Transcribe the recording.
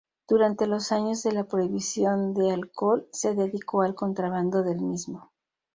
Durante los años de la prohibición de alcohol se dedicó al contrabando del mismo.